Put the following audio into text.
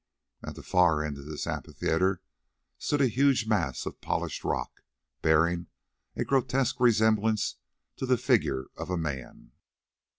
At the far end of this amphitheatre stood a huge mass of polished rock, bearing a grotesque resemblance to the figure of a man.